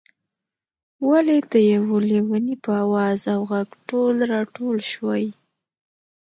ولې د یو لېوني په آواز او غږ ټول راټول شوئ.